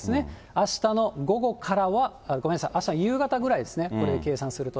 あしたの午後からは、ごめんなさい、あしたの夕方くらいですね、計算すると。